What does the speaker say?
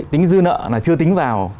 tính dư nợ là chưa tính vào